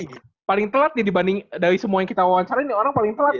ini paling telat nih dibanding dari semua yang kita wawancarain nih orang paling telat sih